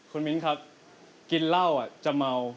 คุณมิ้นครับกินเหล้าจะเมา